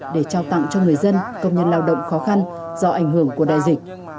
để trao tặng cho người dân công nhân lao động khó khăn do ảnh hưởng của đại dịch